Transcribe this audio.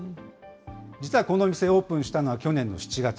実はこの店、オープンしたのは去年の７月。